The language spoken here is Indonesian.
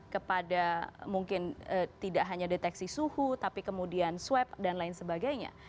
kepada mungkin tidak hanya deteksi suhu tapi kemudian swab dan lain sebagainya